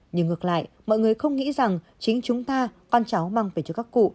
nhưng ngược lại mọi người không nghĩ rằng chính chúng ta con cháu mang về cho các cụ